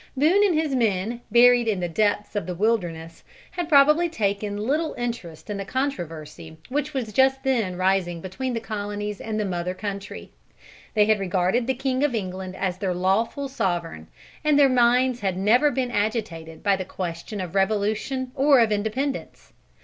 Boone and his men, buried in the depths of the wilderness, had probably taken little interest in the controversy which was just then rising between the colonies and the mother country. They had regarded the King of England as their lawful sovereign, and their minds had never been agitated by the question of revolution or of independence.